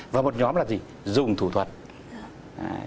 và một nhóm là gì